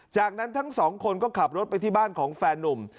จากนั้นทั้งสองคนก็ขับรถไปที่บ้านของแฟนนุ่ม